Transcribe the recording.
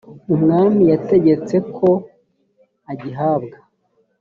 umwami yategetse ko agihabwa